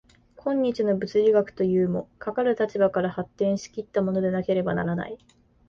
今日の物理学というも、かかる立場から発展し来ったものでなければならない。